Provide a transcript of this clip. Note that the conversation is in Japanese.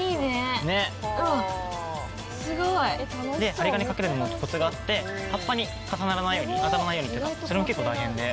針金かけるのもコツがあって葉っぱに重ならないように当たらないようにっていうかそれも結構大変で。